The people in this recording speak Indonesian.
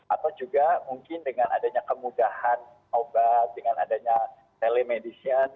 atau juga mungkin dengan adanya kemudahan obat dengan adanya telemedicine